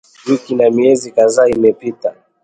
Wiki na miezi kadhaa imepita